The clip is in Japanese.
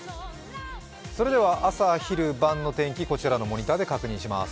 それでは朝昼晩の天気、こちらのモニターで確認します。